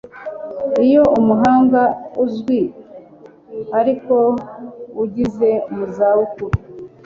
Iyo umuhanga uzwi ariko ugeze mu za bukuru